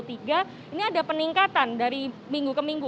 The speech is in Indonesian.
ini ada peningkatan dari minggu ke minggu